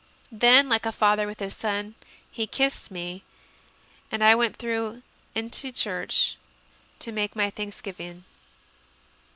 Then, like a father with his son, he kissed me, and I went through into church to make my thanksgiving.